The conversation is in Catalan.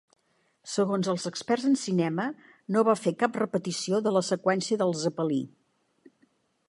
Segons els experts en cinema, no va fer cap repetició de la seqüència del zepelí.